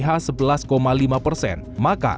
maka kerugian negara akan berubah menjadi lebih besar